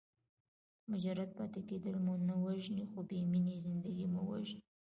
مجرد پاتې کېدل مو نه وژني خو بې مینې زندګي مو وژني.